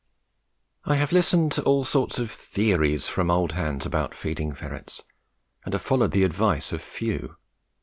I have listened to all sorts of theories from old hands about feeding ferrets, but have followed the advice of few.